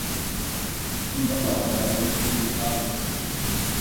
Die Lockerung erfolgt physikalisch.